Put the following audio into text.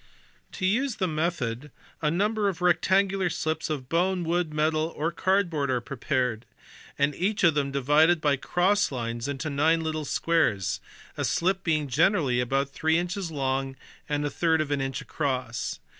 To use the method a number of rectangular slips of bone, wood, metal, or cardboard are prepared, and each of them divided by cross lines into nine little squares; a slip being generally about three inches long and a third of an inch across.